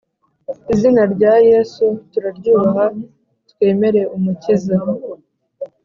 izina rya yesu turaryubaha, twemere umukiza